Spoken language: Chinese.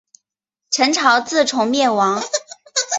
陈朝自从灭亡。